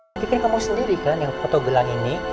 maksudnya kamu sendiri kan yang foto gelang ini